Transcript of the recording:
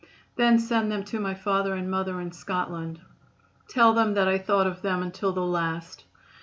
Then send them to my father and mother in Scotland. Tell them that I thought of them until the last.